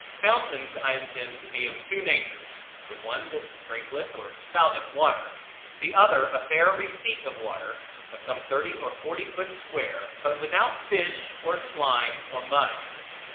Fountains I intend to be of two natures: the one that sprinkleth or spouteth water; the other a fair receipt of water, of some thirty or forty foot square, but without fish, or slime, or mud.